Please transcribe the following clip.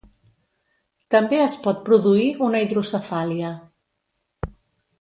També es pot produir una hidrocefàlia.